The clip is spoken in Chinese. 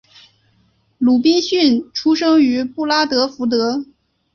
鲁宾逊出生于布拉德福德。